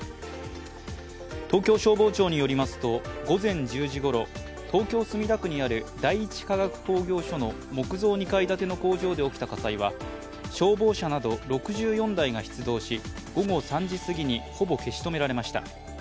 東京消防庁によりますと午前１０時ごろ東京・墨田区にある第一化学工業所の木造２階建ての工場で起きた火災は消防車など６４台が出動し午後３時過ぎにほぼ消し止められました。